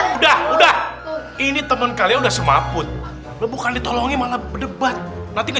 udah udah ini teman kalian udah semamput bukan ditolongi malah berdebat nanti ke